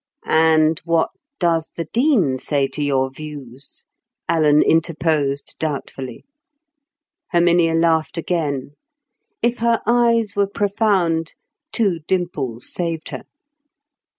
'" "And what does the Dean say to your views?" Alan interposed doubtfully. Herminia laughed again. If her eyes were profound, two dimples saved her.